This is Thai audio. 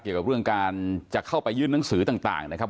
เกี่ยวกับเรื่องการจะเข้าไปยื่นหนังสือต่างนะครับ